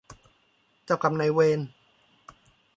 เจ้ากรรมนายเวร